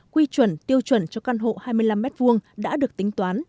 quy chuẩn tiêu chuẩn cho căn hộ hai mươi năm m hai đã được tính toán